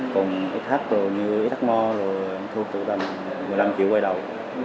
còn sh như sh mo thu tầm một mươi năm triệu quay đầu